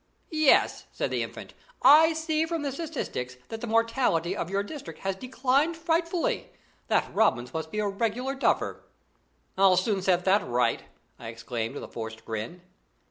"Yes," said the Infant. "I see from the statistics that the mortality of your district has declined frightfully. That Robins must be a regular duffer." "I'll soon set that right!" I exclaimed, with a forced grin.